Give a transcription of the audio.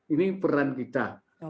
ini peran kita